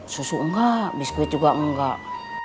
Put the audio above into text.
susu enggak biskuit juga enggak